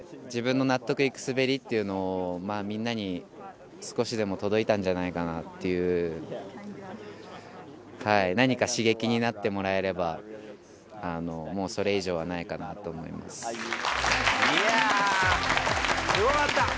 自分の納得いく滑りっていうのを、みんなに少しでも届いたんじゃないかっていう、何か刺激になってもらえれば、もうそれ以上はないいやー、すごかった。